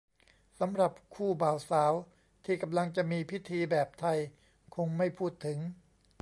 สำหรับคู่บ่าวสาวที่กำลังจะมีพิธี แบบไทยคงไม่พูดถึง